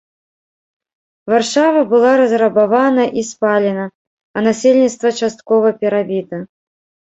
Варшава была разрабавана і спалена, а насельніцтва часткова перабіта.